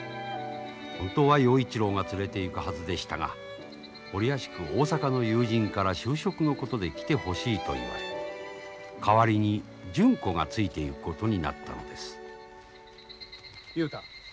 本当は陽一郎が連れていくはずでしたが折あしく大阪の友人から就職のことで来てほしいと言われ代わりに純子がついていくことになったのです。雄太。